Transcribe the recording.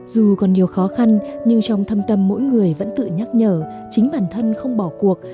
dù còn nhiều khó khăn nhưng trong thâm tâm mỗi người vẫn tự nhắc nhở chính bản thân không bỏ cuộc